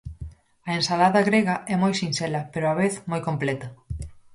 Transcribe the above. A ensalada grega é moi sinxela pero a vez moi completa.